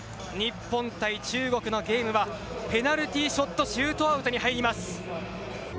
日本対中国のゲームはペナルティーショットシュートアウトに入ります。